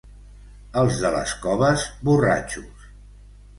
Els de les Coves, borratxos.